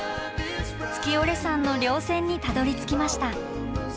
月居山の稜線にたどりつきました。